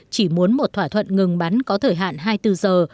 chỉ muốn một thỏa thuận ngừng bắn có thời hạn hai mươi bốn giờ